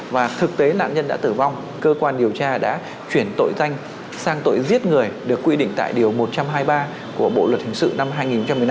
và thực tế nạn nhân đã tử vong cơ quan điều tra đã chuyển tội danh sang tội giết người được quy định tại điều một trăm hai mươi ba của bộ luật hình sự năm hai nghìn một mươi năm